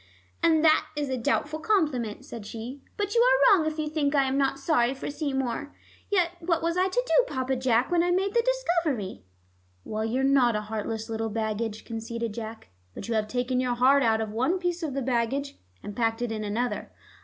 "And that is a doubtful compliment," said she. "But you are wrong if you think I am not sorry for Seymour. Yet what was I to do, Papa Jack, when I made The Discovery?" "Well, you're not a heartless little baggage," conceded Jack, "but you have taken your heart out of one piece of the baggage, and packed it in another."